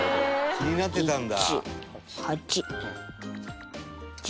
「気になってたんだ」